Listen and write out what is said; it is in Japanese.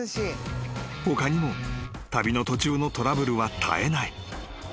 ［他にも旅の途中のトラブルは絶えない］